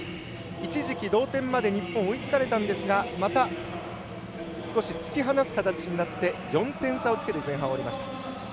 一時期、同点まで日本追いつかれたんですがまた少し突き放す形になって４点差をつけて前半、終わりました。